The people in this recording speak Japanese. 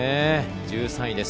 １３位です。